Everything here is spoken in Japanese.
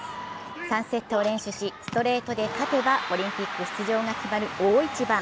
３セットを連取しストレートで勝てばオリンピック出場が決まる大一番。